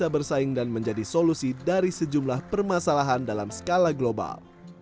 dan bisa bersaing dan menjadi solusi dari sejumlah permasalahan dalam skala global